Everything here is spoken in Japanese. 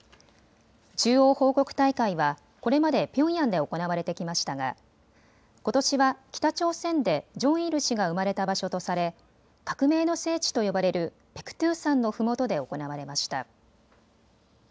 中央報告大会はこれまでピョンヤンで行われてきましたがことしは北朝鮮でジョンイル氏が生まれた場所とされ革命の聖地と呼ばれるペクトゥ山のふもとで行われました。